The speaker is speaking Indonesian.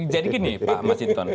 jadi gini pak masintun